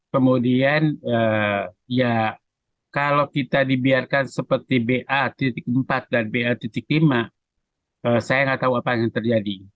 kemudian ya kalau kita dibiarkan seperti ba empat dan ba lima saya nggak tahu apa yang terjadi